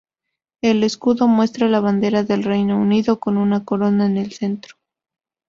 El escudo muestra la Bandera del Reino Unido, con una corona en el centro.